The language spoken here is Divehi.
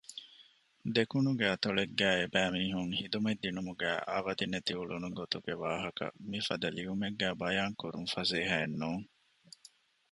ދެކުނުގެ އަތޮޅެއްގައި އެބައިމީހުން ޚިދުމަތްދިނުމުގައި އަވަދިނެތިއުޅުނު ގޮތުގެ ވާހަކަ މިފަދަ ލިޔުމެއްގައި ބަޔާންކުރުން ފަސޭހައެއް ނޫން